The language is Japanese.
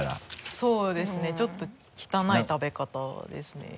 そうですねちょっと汚い食べ方ですね。